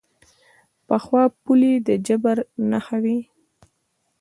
پخوا پولې د جبر نښه وې.